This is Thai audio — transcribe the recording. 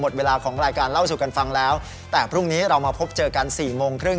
เวลาของรายการเล่าสู่กันฟังแล้วแต่พรุ่งนี้เรามาพบเจอกันสี่โมงครึ่ง